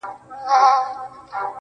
يو څو د ميني افسانې لوستې_